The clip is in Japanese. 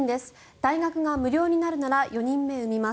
大学が無料になるなら４人目産みます。